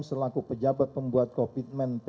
selaku pejabat pembuat kopitmen ppk